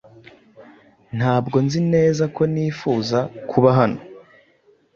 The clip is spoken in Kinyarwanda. Ntabwo nzi neza ko nifuza kuba hano.